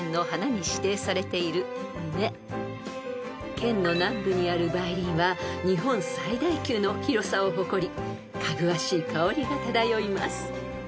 ［県の南部にある梅林は日本最大級の広さを誇りかぐわしい香りが漂います］